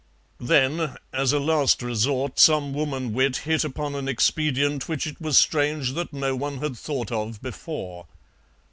Then, as a last resort, some woman wit hit upon an expedient which it was strange that no one had thought of before.